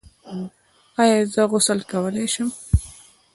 ایا زه غسل کولی شم؟